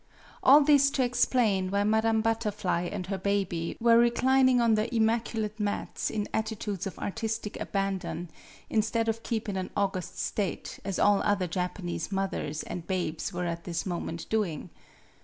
ALL this to explain why Madame Butterfly and her baby were reclining on the immacu late mats in attitudes of artistic abandon, instead of keeping an august state, as all other Japanese mothers and babes were at this moment doing.